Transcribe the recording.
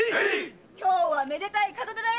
今日はめでたい門出だよ！